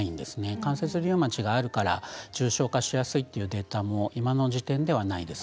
関節リウマチがあるから重症化しやすいというデータも今の時点ではないです。